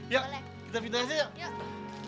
yuk kita pintunya sih yuk